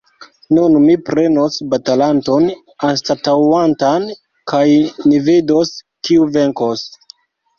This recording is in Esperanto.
Nun mi prenos batalanton anstataŭantan, kaj ni vidos, kiu venkos!